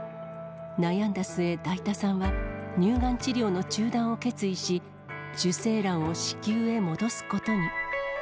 悩んだ末、だいたさんは乳がん治療の中断を決意し、受精卵を子宮へ戻すことに。